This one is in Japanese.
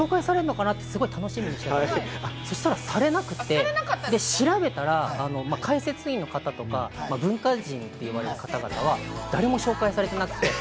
僕も紹介されるのかなって楽しみにしてたら、されなくて調べたら、解説委員の方とか、文化人と呼ばれる方々は誰も紹介されてなくて。